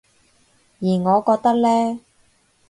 而我覺得呢